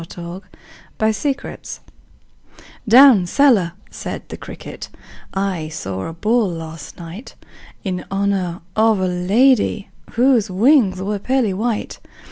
The Potato's Dance "Down cellar," said the cricket, "I saw a ball last night In honor of a lady Whose wings were pearly white.